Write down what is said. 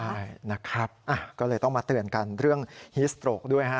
ใช่นะครับก็เลยต้องมาเตือนกันเรื่องฮิสโตรกด้วยฮะ